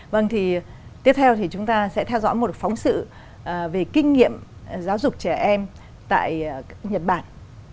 vâng thì tiếp theo thì chúng ta sẽ theo dõi một phóng sự về kinh nghiệm giáo dục trẻ em tại nhật bản